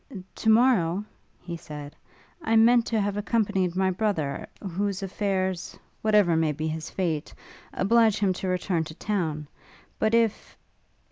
'To morrow,' he said, 'I meant to have accompanied my brother, whose affairs whatever may be his fate oblige him to return to town: but if